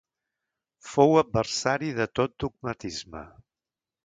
Fou adversari de tot dogmatisme.